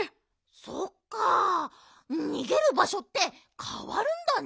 そっかにげるばしょってかわるんだね！